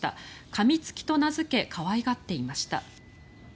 カミツキと名付け可愛がっていました。